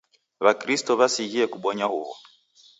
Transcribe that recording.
W'akristo w'asighie kubonya huw'o.